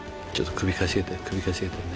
首かしげたね